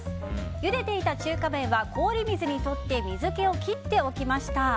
ゆでていた中華麺は氷水にとって水気を切っておきました。